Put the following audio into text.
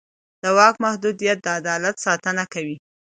د واک محدودیت د عدالت ساتنه کوي